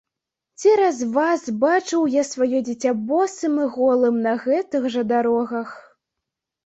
Цераз вас бачыў я сваё дзіця босым і голым на гэтых жа дарогах!